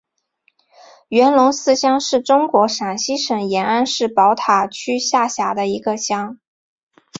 元龙寺乡是中国陕西省延安市宝塔区下辖的一个乡。